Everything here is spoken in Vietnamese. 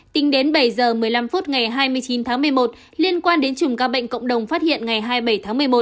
tính đến bảy giờ một mươi năm phút ngày hai mươi chín tháng một mươi một liên quan đến chùm ca bệnh cộng đồng phát hiện ngày hai mươi bảy tháng một mươi một